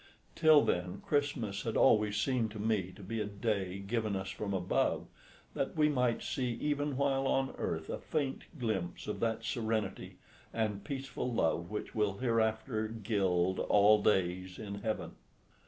Till then Christmas had always seemed to me to be a day given us from above, that we might see even while on earth a faint glimpse of that serenity and peaceful love which will hereafter gild all days in heaven.